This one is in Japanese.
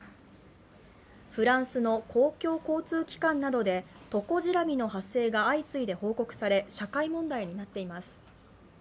フランスの公共交通機関などでトコジラミの発生が相次いで報告され社会問題になっています。